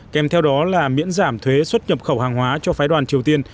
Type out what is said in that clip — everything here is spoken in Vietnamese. kèm theo đó là miễn giảm thuế xuất nhập khẩu hàng hóa cho phái đoàn triều tiên